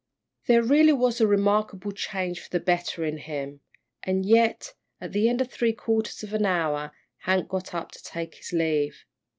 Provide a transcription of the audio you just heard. There really was a remarkable change for the better in him, and yet, at the end of three quarters of an hour, Hank got up to take his leave.